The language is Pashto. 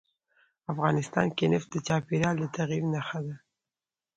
افغانستان کې نفت د چاپېریال د تغیر نښه ده.